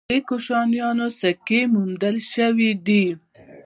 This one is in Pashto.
د کوشانشاهانو سکې موندل شوي دي